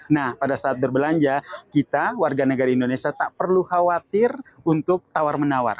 nah pada saat berbelanja kita warga negara indonesia tak perlu khawatir untuk tawar menawar